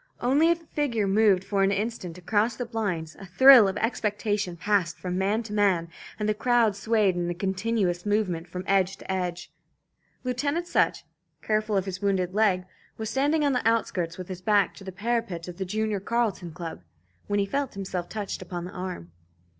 Only if a figure moved for an instant across the blinds, a thrill of expectation passed from man to man, and the crowd swayed in a continuous movement from edge to edge. Lieutenant Sutch, careful of his wounded leg, was standing on the outskirts, with his back to the parapet of the Junior Carlton Club, when he felt himself touched upon the arm.